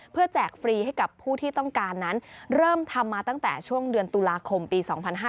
เพื่อแจกฟรีให้กับผู้ที่ต้องการนั้นเริ่มทำมาตั้งแต่ช่วงเดือนตุลาคมปี๒๕๕๙